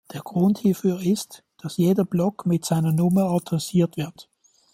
Der Grund hierfür ist, dass jeder Block mit seiner Nummer adressiert wird.